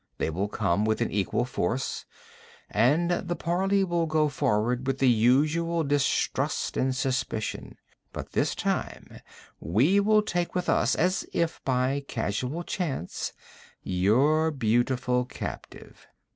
They will come, with an equal force, and the parley will go forward with the usual distrust and suspicion. But this time we will take with us, as if by casual chance, your beautiful captive.'